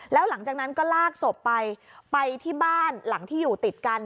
แล้วหลังจากนั้นก็ลากศพไปไปที่บ้านหลังที่อยู่ติดกัน